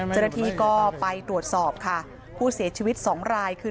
เจ้าหน้าที่ก็ไปตรวจสอบค่ะผู้เสียชีวิตสองรายคือ